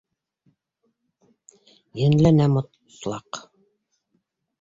Енләнә мотлаҡ!